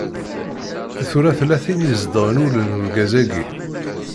Tura tella tin izedɣen ul n urgaz-agi.